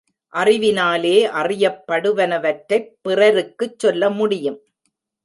அறிவினாலே அறியப்படுவனவற்றைப் பிறருக்குச் சொல்ல முடியும்.